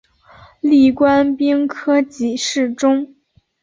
历官兵科给事中。